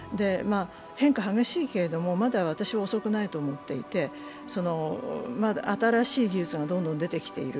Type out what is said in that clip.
変化激しいけれども、まだ私は遅くないと思っていて、新しい技術がどんどん出てきている。